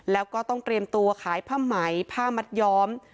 แล้วก็ต้องเตรียมตัวขายผ้าไหมผ้ามัดย้อม